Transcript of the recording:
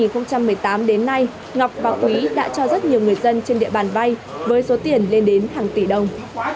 từ năm hai nghìn một mươi tám đến nay ngọc và quý đã cho rất nhiều người dân trên địa bàn vay với số tiền lên đến hàng tỷ đồng